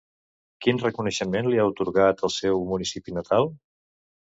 Quin reconeixement li ha atorgat el seu municipi natal?